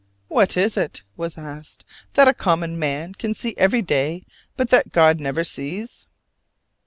"What is it," was asked, "that a common man can see every day but that God never sees?"